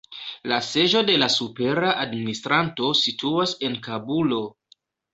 La seĝo de la supera administranto situas en Kabulo.